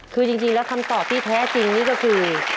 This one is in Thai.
คือจริงแล้วคำตอบที่แท้จริงนี่ก็คือ